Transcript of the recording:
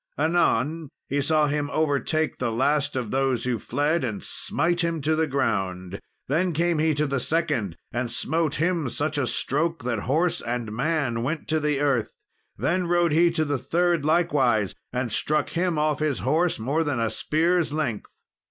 Anon he saw him overtake the last of those who fled, and smite him to the ground; then came he to the second, and smote him such a stroke that horse and man went to the earth; then rode he to the third, likewise, and struck him off his horse more than a spear's length.